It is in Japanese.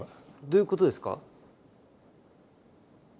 どういうことですか？